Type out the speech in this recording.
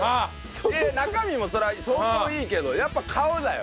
いやいや中身もそれは相当いいけどやっぱ顔だよ。